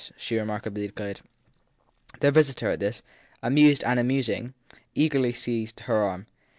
she remarkably declared. Their visitor, at this, amused and amusing, eagerly seized her arm.